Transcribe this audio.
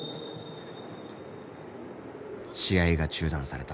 試合が中断された。